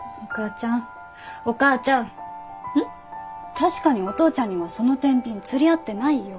確かにお父ちゃんにはそのてんびん釣り合ってないよ。